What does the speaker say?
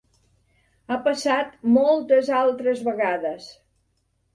Ha passat moltes altres vegades.